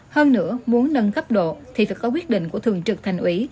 hơn nữa muốn nâng cấp độ thì phải có quyết định của thường trực thành ủy